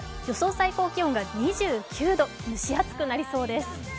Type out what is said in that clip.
最高気温が２９度、蒸し暑くなりそうです。